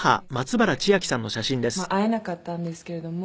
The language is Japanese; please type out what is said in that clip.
すごいあの会えなかったんですけれども。